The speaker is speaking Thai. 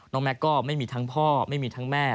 แม็กซก็ไม่มีทั้งพ่อไม่มีทั้งแม่